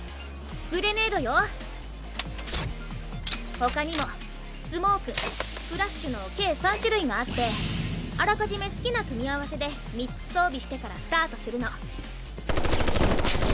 他にもスモークフラッシュの計３種類があってあらかじめ好きな組み合わせで３つ装備してからスタートするの。